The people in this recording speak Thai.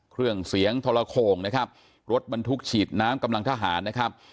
เครื่องเสียงทรโข่งนะครับรถบรรทุกฉีดน้ำกำลังทหารนะครับ